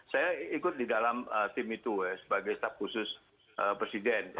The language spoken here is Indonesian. saya ikut di dalam tim itu ya sebagai staf khusus presiden